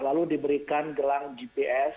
lalu diberikan gelang gps